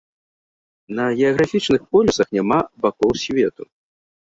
На геаграфічных полюсах няма бакоў свету.